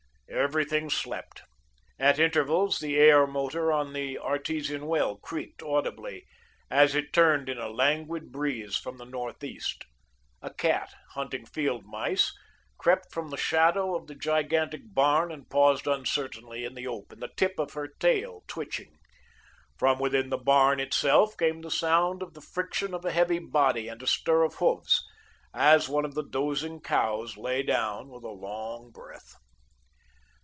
Everything slept. At intervals, the aer motor on the artesian well creaked audibly, as it turned in a languid breeze from the northeast. A cat, hunting field mice, crept from the shadow of the gigantic barn and paused uncertainly in the open, the tip of her tail twitching. From within the barn itself came the sound of the friction of a heavy body and a stir of hoofs, as one of the dozing cows lay down with a long breath.